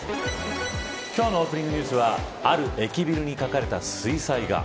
今日のオープニングニュースはある駅ビルに描かれた水彩画。